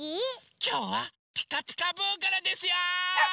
きょうは「ピカピカブ！」からですよ！